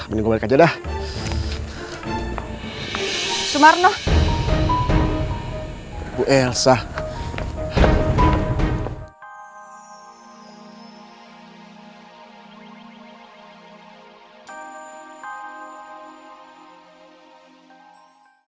ini pasti kedua orang iseng